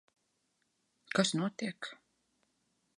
Kas notiek?